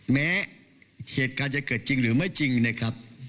แม้เหตุการณ์จะเกิดจริงหรือไม่จริงนะครับ